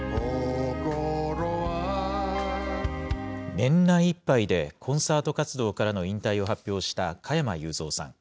年内いっぱいでコンサート活動からの引退を発表した加山雄三さん。